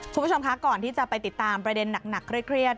คุณผู้ชมคะก่อนที่จะไปติดตามประเด็นหนักเครียด